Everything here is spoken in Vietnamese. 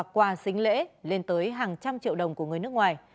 quà xính lễ lên tới hàng trăm triệu đồng của người nước ngoài